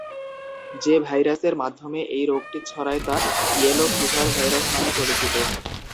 যে ভাইরাসের মাধ্যমে এই রোগ ছড়ায় তা "ইয়েলো ফিভার ভাইরাস" নামে পরিচিত।